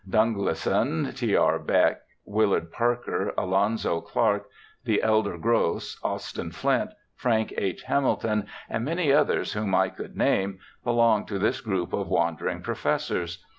Dunglison, T. R. Beck, Willard Parker, Alonzo Clark, the elder Gross, Austin Flint, Frank H. Hamilton, and many others whom I could name, belonged to this group of wandering professors.